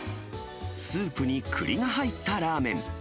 スープにくりが入ったラーメン。